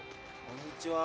・こんにちは。